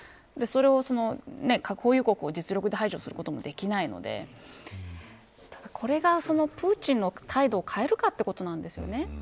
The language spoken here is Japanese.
それを、核保有国を実力で排除することもできないのでただ、これがプーチンの態度を変えるかということなんですよね。